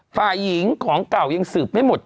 ฝ่ายหญิงของเก่ายังสืบไม่หมด